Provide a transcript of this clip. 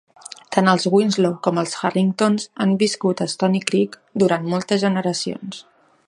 Tant els Winslows com els Harringtons han viscut a Stony Creek durant moltes generacions.